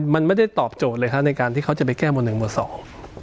มันไม่ได้ตอบโจทย์เลยฮะในการที่เขาจะไปแก้หมวดหนึ่งหมวดสอง